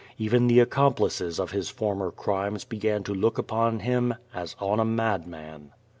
Even the accomplices of his former crimes began to look upon hini as on a madman.